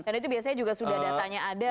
dan itu biasanya juga sudah datanya ada gitu ya